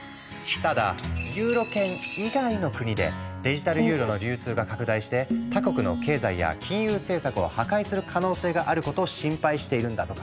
ただユーロ圏以外の国でデジタルユーロの流通が拡大して他国の経済や金融政策を破壊する可能性があることを心配しているんだとか。